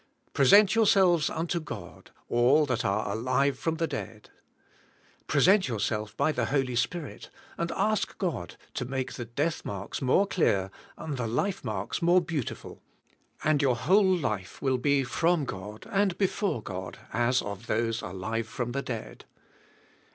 Present yourselves unto God, all that are alive from the dead. Present yourself by the Holy Spirit and ask God to make the death marks more clear and the life marks more beautiful, and your whole life will be from God and before God as of those alive from the dead.